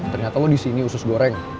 ternyata lo disini usus goreng